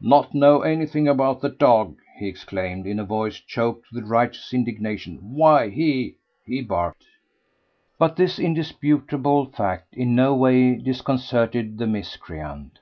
"Not know anything about the dog?" he exclaimed in a voice choked with righteous indignation. "Why, he ... he barked!" But this indisputable fact in no way disconcerted the miscreant.